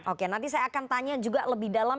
oke nanti saya akan tanya juga lebih dalam